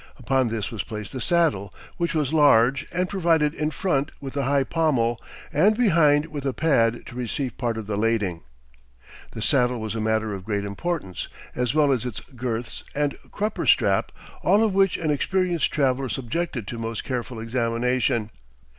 Upon this was placed the saddle, which was large, and provided in front with a high pommel, and behind with a pad to receive part of the lading. The saddle was a matter of great importance, as well as its girths and crupper strap, all of which an experienced traveler subjected to most careful examination.